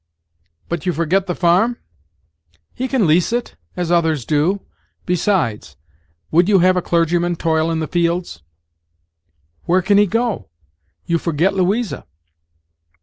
"But you forget the farm?" "He can lease it, as others do. Besides, would you have a clergyman toil in the fields?" "Where can he go? You forget Louisa."